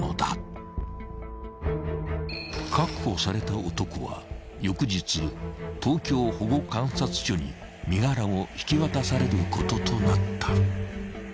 ［確保された男は翌日東京保護観察所に身柄を引き渡されることとなった］